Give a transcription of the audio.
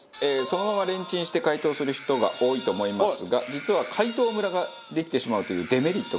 そのままレンチンして解凍する人が多いと思いますが実は解凍ムラができてしまうというデメリットが。